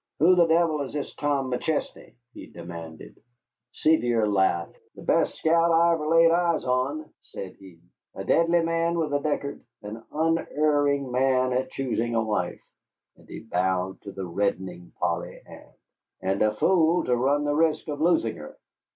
"Who the devil is this Tom McChesney?" he demanded. Sevier laughed. "The best scout I ever laid eyes on," said he. "A deadly man with a Deckard, an unerring man at choosing a wife" (and he bowed to the reddening Polly Ann), "and a fool to run the risk of losing her."